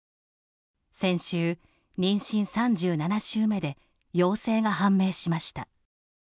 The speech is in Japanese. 先週、妊娠３７週目で陽性が判明しました。